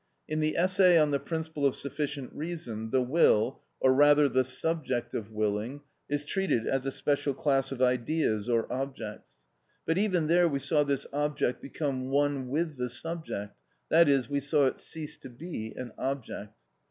In the essay on the principle of sufficient reason, the will, or rather the subject of willing, is treated as a special class of ideas or objects. But even there we saw this object become one with the subject; that is, we saw it cease to be an object.